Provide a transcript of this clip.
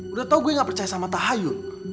udah tau gue gak percaya sama tahayu